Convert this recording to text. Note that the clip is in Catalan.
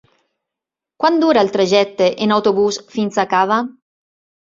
Quant dura el trajecte en autobús fins a Cava?